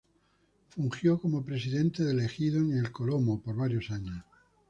Fungió como Presidente del Ejido de El Colomo por varios años.